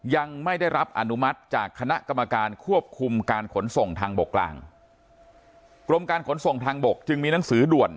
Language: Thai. ยังไม่ได้รับอนุมัติจากคณะกรรมการควบคุมการขนส่งทางบกกลางกรมการขนส่งทางบกจึงมีหนังสือด่วน